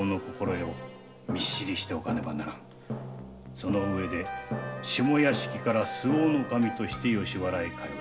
その上で下屋敷から周防守として吉原へ通え。